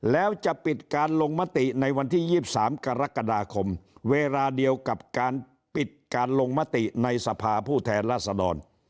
แล้วจะปิดการลงมติในวันที่๒๓กรกฎาคมเวลาเดียวกับการปิดการลงมติในสภาผู้แทนราษดร